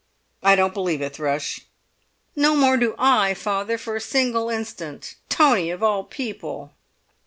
"I don't believe it, Thrush." "No more do I, father, for a single instant. Tony, of all people!"